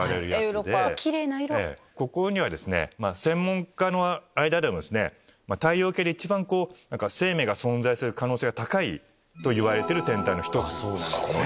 ここにはですね専門家の間では太陽系で一番生命が存在する可能性が高いといわれてる天体の１つ。